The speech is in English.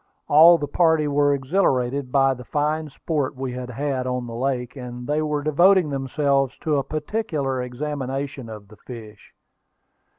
All the party were exhilarated by the fine sport we had had on the lake, and they were devoting themselves to a particular examination of the fish.